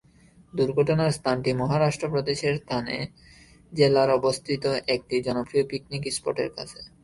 দুর্ঘটনার স্থানটি মহারাষ্ট্র প্রদেশের থানে জেলায় অবস্থিত একটি জনপ্রিয় পিকনিক স্পটের কাছে।